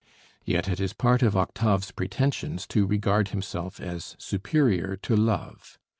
Yet it is part of Octave's pretensions to regard himself as superior to love.